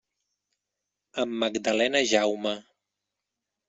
Amb Magdalena Jaume.